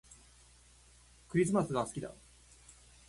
クリスマスが好きだ